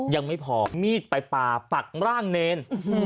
ยังไม่พอมีดไปปาปักร่างเนร